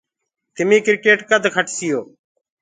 تمي ڪريٽ ڪد کٽسيو؟